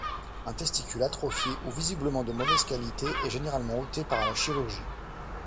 Un testicule atrophié ou visiblement de mauvaise qualité est généralement ôté par la chirurgie.